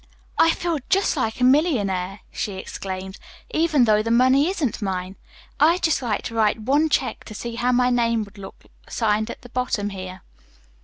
"I feel just like a millionaire," she exclaimed, "even though the money isn't mine. I'd just like to write one check to see how my name would look signed at the bottom here."